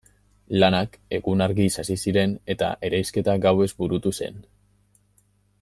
Lanak egun argiz hasi ziren, eta eraisketa gauez burutu zen.